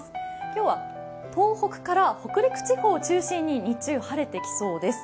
今日は東北から北陸地方を中心に日中、晴れてきそうです。